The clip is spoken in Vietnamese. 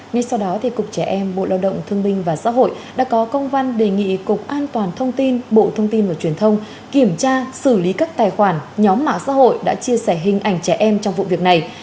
ngay sau đó cục trẻ em bộ lao động thương minh và xã hội đã có công văn đề nghị cục an toàn thông tin bộ thông tin và truyền thông kiểm tra xử lý các tài khoản nhóm mạng xã hội đã chia sẻ hình ảnh trẻ em trong vụ việc này